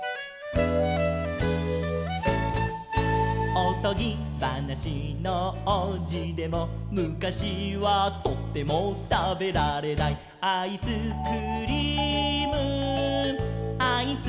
「おとぎばなしのおうじでもむかしはとてもたべられない」「アイスクリームアイスクリーム」